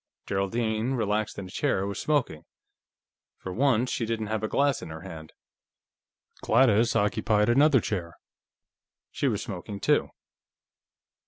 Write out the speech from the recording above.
Geraldine, relaxed in a chair, was smoking; for once, she didn't have a glass in her hand. Gladys occupied another chair; she was smoking, too.